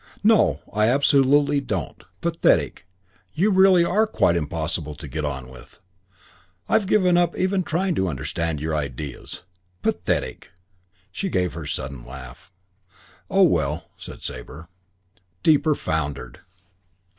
"No. I absolutely don't. Pathetic! You really are quite impossible to get on with. I've given up even trying to understand your ideas. Pathetic!" She gave her sudden laugh. "Oh, well," said Sabre. Deeper foundered!